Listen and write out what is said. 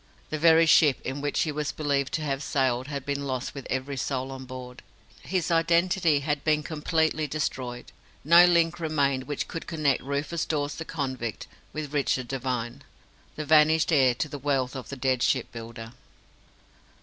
The very ship in which he was believed to have sailed had been lost with every soul on board. His identity had been completely destroyed no link remained which could connect Rufus Dawes, the convict, with Richard Devine, the vanished heir to the wealth of the dead ship builder.